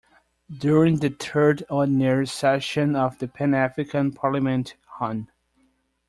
During the Third Ordinary Session of The Pan-African Parliament, Hon.